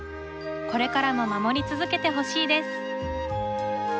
これからも守り続けてほしいです